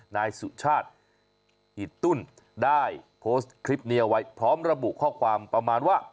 นายสุชาติอิตตุ้นได้โพสต์คลิปนี้เอาไว้พร้อมระบุข้อความประมาณว่า